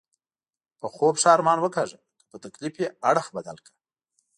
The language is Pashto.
په خوب ښه ارمان وکاږه، که په تکلیف یې اړخ بدل کړه.